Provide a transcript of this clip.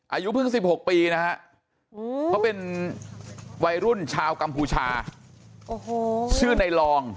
อายุเพิ่ง๑๖ปีนะฮะเขาเป็นวัยรุ่นชาวกัมพูชาโอ้โหชื่อในรอง